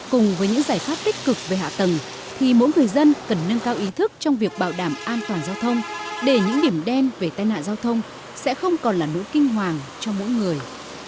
cùng với những giải pháp tích cực về hạ tầng thì mỗi người dân cần nâng cao ý thức trong việc bảo đảm an toàn giao thông để những điểm đen về tai nạn giao thông sẽ không còn là nỗi kinh hoàng cho mỗi người